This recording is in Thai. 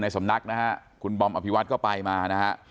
ในสำนักษมณะคุณบออพิวัฒน์ก็ไปมา